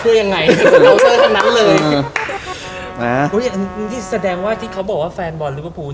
ช่วยยังไงตมนันเลยมานี่แสดงว่าที่เขาบอกว่าแฟนบอลนับภูมิ